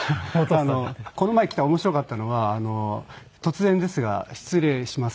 この前来た面白かったのが「突然ですが失礼します」。